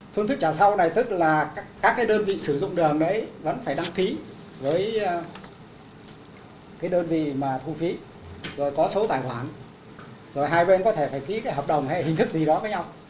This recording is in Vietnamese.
phương thức trả sau này tức là các cái đơn vị sử dụng đường đấy vẫn phải đăng ký với cái đơn vị mà thu phí rồi có số tài khoản rồi hai bên có thể phải ký cái hợp đồng hay hình thức gì đó với nhau